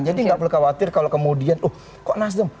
jadi nggak perlu khawatir kalau kemudian oh kok nasdem